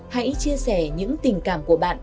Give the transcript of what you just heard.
hãy chia sẻ những tình cảm của bạn